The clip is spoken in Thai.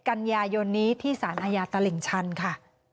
๑๑กันยายนนี้ที่สอตริงชันค่ะ